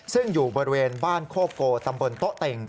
ซึ่งอยู่บริเวณบ้านโคโกตำบลโต๊ะเต็ง